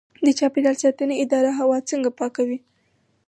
د چاپیریال ساتنې اداره هوا څنګه پاکوي؟